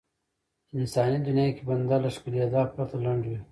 انساني دنيا کې بنده له ښکېلېدا پرته لنډوي.